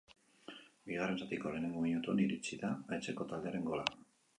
Bigarren zatiko lehenengo minutuan iritsi da etxeko taldearen gola.